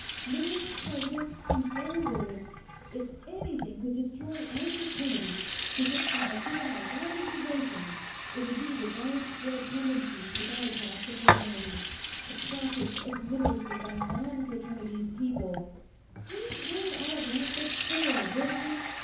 "Literate President and fellow Literates, if anything could destroy our Fraternities, to which we have given our lives' devotion, it would be the widespread tendency to by pass the Fraternities, the practice of Literacy by non Fraternities people " "We've heard all that before, Wilton!"